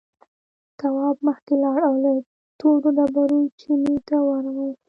تواب مخکې لاړ او له تورو ډبرو چينې ته ورغی.